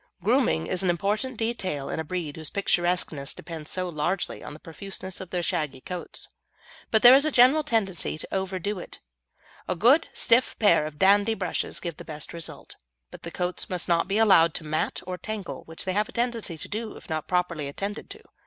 Grooming is an important detail in a breed whose picturesqueness depends so largely on the profuseness of their shaggy coats, but there is a general tendency to overdo it. A good stiff pair of dandy brushes give the best results, but the coats must not be allowed to mat or tangle, which they have a tendency to do if not properly attended to.